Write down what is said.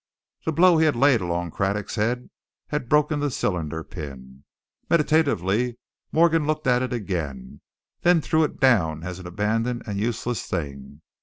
The blow he had laid along Craddock's head had broken the cylinder pin. Meditatively Morgan looked at it again, then threw it down as an abandoned and useless thing.